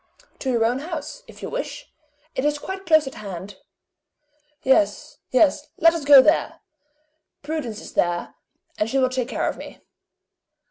"To your own house, if you wish it is quite close at hand." "Yes. Yes. Let us go there! Prudence is there, and she will take care of me.".